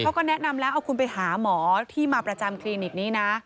เขาก็แนะนำแล้วเอาคุณไปหาหมอที่มาประจำคลินิกนี้นะ